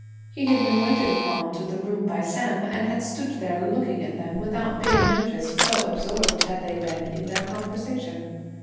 He had been waited upon to the room by Sam, and had stood there looking at them without being noticed so absorbed had they been in their conversation.